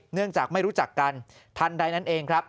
เนื่องจากไม่รู้จักกันทันใดนั้นเองครับ